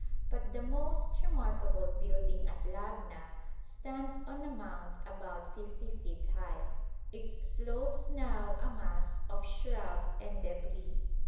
But the most remarkable building at Labna stands on a mound about 50 feet high, its slopes now a mass of shrub and débris.